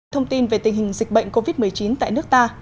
thông tin về tình hình dịch bệnh covid một mươi chín tại nước ta